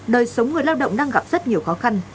đời sống người lao động đang gặp rất nhiều khó khăn